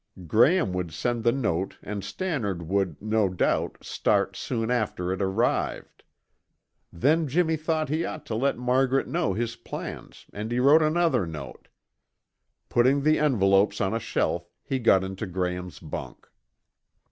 Graham would send the note and Stannard would, no doubt, start soon after it arrived. Then Jimmy thought he ought to let Margaret know his plans and he wrote another note. Putting the envelopes on a shelf, he got into Graham's bunk.